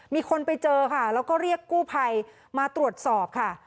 มีคนไปเจอค่ะแล้วก็เรียกกู้ภัยมาตรวจสอบค่ะ